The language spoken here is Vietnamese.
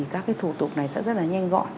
các thủ tục này sẽ rất là nhanh gọn